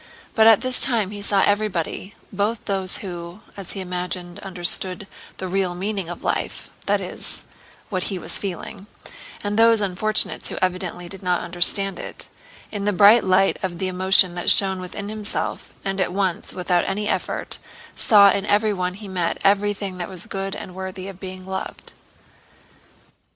But at this time he saw everybody—both those who, as he imagined, understood the real meaning of life (that is, what he was feeling) and those unfortunates who evidently did not understand it—in the bright light of the emotion that shone within himself, and at once without any effort saw in everyone he met everything that was good and worthy of being loved.